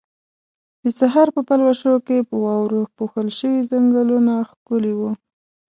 د سحر په پلوشو کې په واورو پوښل شوي ځنګلونه ښکلي وو.